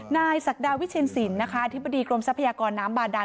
นายสักดาวิเชนศิลป์อธิบดีกรมทรัพยากรน้ำบาดาล